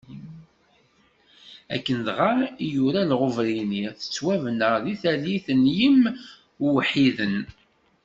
Akken dɣa i yura Lɣubrini, tettwabna deg tallit n yimweḥḥiden.